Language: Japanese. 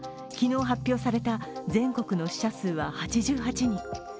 昨日発表された全国の死者数は８８人。